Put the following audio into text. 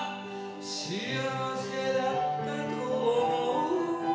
「幸せだったと思う」